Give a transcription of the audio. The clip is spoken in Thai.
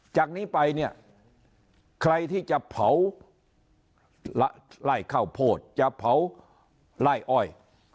จากนี้ไปเนี่ยใครที่จะเผาไล่ข้าวโพดจะเผาไล่อ้อย